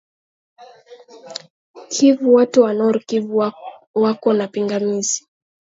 kivu watu wa nor kivu wako na pingamizi